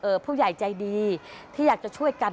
หรือว่าผู้ใหญ่ใจดีที่อยากจะช่วยกัน